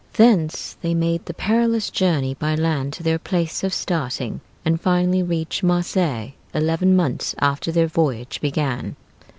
Thence they made the perilous journey by land to their place of starting, and finally reached Marseilles eleven months after their voyage began.